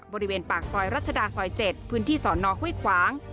บริเวณปากซอยรัชดาซอย๗พื้นที่สอนอห้วยขวาง